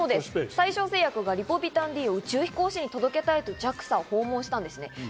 大正製薬がリポビタンＤを宇宙飛行士に届けたいとＪＡＸＡを訪問したんですね。